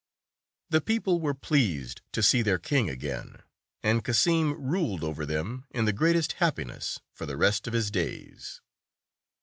The people were pleased to see their king again, and Cassim ruled over them in the great est happiness for the rest of his days.